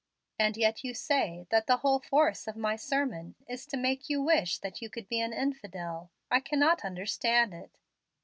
And yet you say that the whole force of my sermon is to make you wish that you could be an infidel. I cannot understand it.